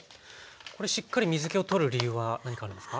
これしっかり水けを取る理由は何かあるんですか？